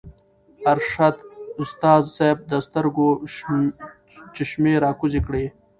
ارشد استاذ صېب د سترګو چشمې راکوزې کړې